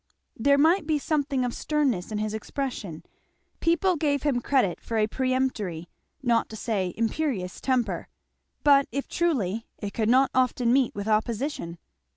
There might be something of sternness in his expression; people gave him credit for a peremptory, not to say imperious temper; but if truly, it could not often meet with opposition.